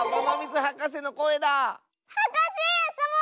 はかせあそぼう！